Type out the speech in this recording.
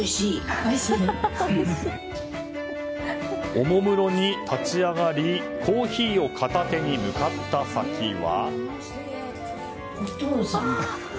おもむろに立ち上がりコーヒーを片手に向かった先は。